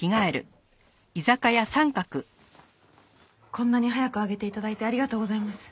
こんなに早く上げて頂いてありがとうございます。